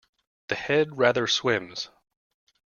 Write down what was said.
The head rather swims.